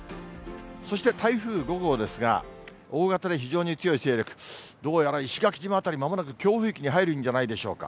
そして台風５号ですが、大型で非常に強い勢力、どうやら石垣島辺り、まもなく強風域に入るんじゃないでしょうか。